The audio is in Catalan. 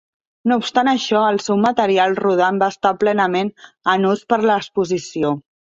No obstant això, el seu material rodant va estar plenament en ús per a l'Exposició.